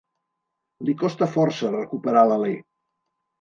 Li costa força recuperar l'alè.